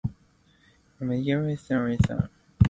Quin és l'últim mot de la llista?